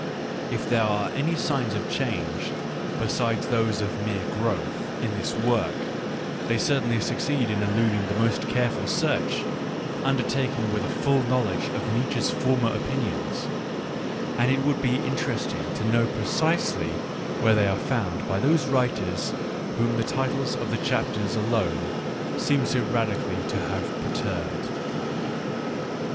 Ittliere are any signs of change, besides those of mere growth, in this work, they certainly succeed in eluding the most careful search, undertaken with a full knowledge of Nietzsche's former opinions, and it would be inter esting to know precisely where they are found by those writers whom the titles of the chapters, alone, seem so radically to have perturbed.